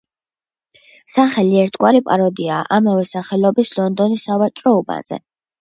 სახელი ერთგვარი პაროდიაა ამავე სახელწოდების ლონდონის სავაჭრო უბანზე.